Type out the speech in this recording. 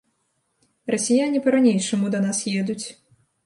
Расіяне па-ранейшаму да нас едуць.